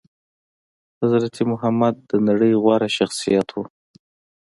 حضرت محمد د نړي غوره شخصيت وو